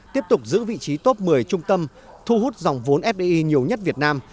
tiếp tục giữ vị trí top một mươi trung tâm thu hút dòng vốn fdi nhiều nhất việt nam